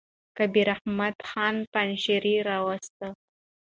کبیر احمد خان پنجشېري را واستاوه.